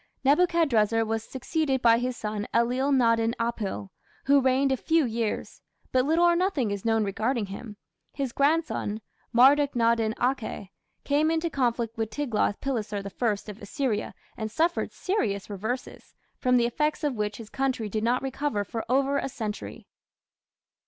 Nebuchadrezzar was succeeded by his son Ellil nadin apil, who reigned a few years; but little or nothing is known regarding him. His grandson, Marduk nadin akhe, came into conflict with Tiglath pileser I of Assyria, and suffered serious reverses, from the effects of which his country did not recover for over a century.